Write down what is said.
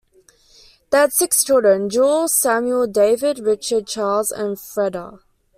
They had six children: Jules, Samuel, David, Richard, Charles and Freda.